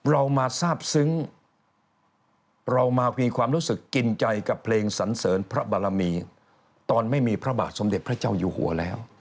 เรามาทราบซึ้งเรามามีความรู้สึกกินใจกับเพลงสันเสริญพระบารมีตอนไม่มีพระบาทสมเด็จพระเจ้าอยู่หัวแล้ว